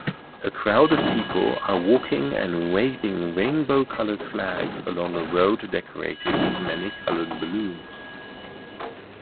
A crowd of people are walking and waving rainbow colored flags along a road decorated with many colored balloons